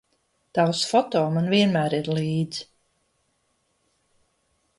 Tavs foto man vienmēr ir līdz